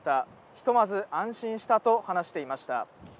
ひとまず安心したと話していました。